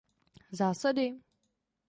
Zásady?